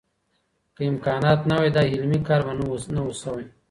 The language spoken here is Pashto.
که امکانات نه وای، دا علمي کار به نه و سوی.